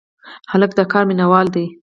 هلک د کار مینه وال دی.